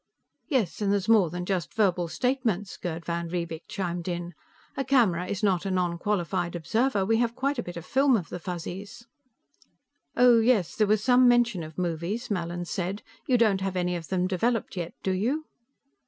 "Yes, and there's more than just verbal statements," Gerd van Riebeek chimed in. "A camera is not a nonqualified observer. We have quite a bit of film of the Fuzzies." "Oh, yes; there was some mention of movies," Mallin said. "You don't have any of them developed yet, do you?"